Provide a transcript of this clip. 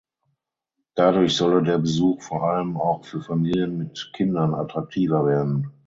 Dadurch solle der Besuch vor allem auch für Familien mit Kindern attraktiver werden.